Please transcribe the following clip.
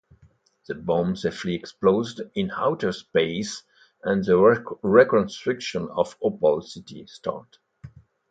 The bomb safely exploded in outer space, and the reconstruction of Opal City started.